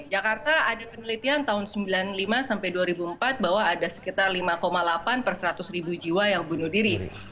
jakarta ada penelitian tahun seribu sembilan ratus sembilan puluh lima sampai dua ribu empat bahwa ada sekitar lima delapan per seratus ribu jiwa yang bunuh diri